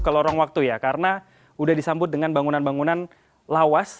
ke lorong waktu ya karena sudah disambut dengan bangunan bangunan lawas